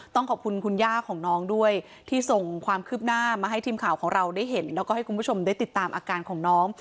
ต้องขอบคุณคุณย่าของน้องด้วยที่ส่งความคืบหน้ามาให้ทีมข่าวของเราได้เห็นแล้วก็ให้คุณผู้ชมได้ติดตามอาการของน้อง